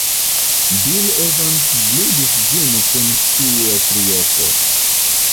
Bill Evans ludis ĝin kun sia triopo.